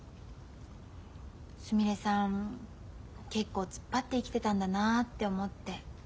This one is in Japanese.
すみれさん結構突っ張って生きてたんだなって思って。